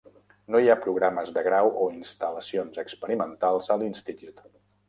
No hi ha programes de grau o instal·lacions experimentals a l'Institute.